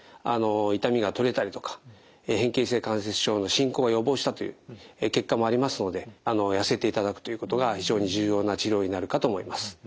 痛みが取れたりとか変形性関節症の進行を予防したという結果もありますので痩せていただくということが非常に重要な治療になるかと思います。